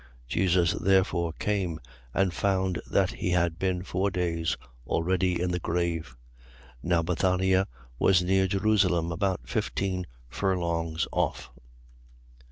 11:17. Jesus therefore came: and found that he had been four days already in the grave. 11:18. (Now Bethania was near Jerusalem, about fifteen furlongs off.)